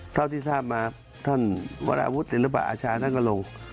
เท่าที่ทราบมาท่านวราวุฒิศิลปะอาชาท่านก็ลง